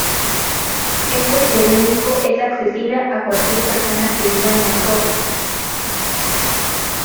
Este periódico es accesible a cualquier persona que viva en Monrovia.